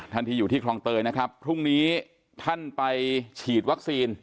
ที่อยู่ที่คลองเตยนะครับพรุ่งนี้ท่านไปฉีดวัคซีน